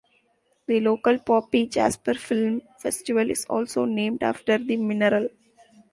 The local Poppy Jasper Film Festival is also named after the mineral.